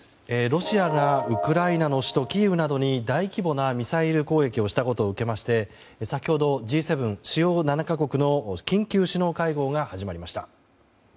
ロシアがウクライナの首都キーウなどに大規模なミサイル攻撃をしたことを受けまして先ほど、Ｇ７・主要７か国の緊急首脳会合が始まりました。